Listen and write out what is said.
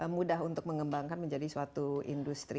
mudah untuk mengembangkan menjadi suatu industri